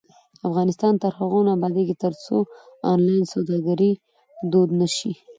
افغانستان تر هغو نه ابادیږي، ترڅو آنلاین سوداګري دود نشي.